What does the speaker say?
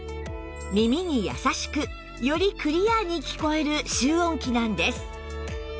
耳に優しくよりクリアに聞こえる集音器なんです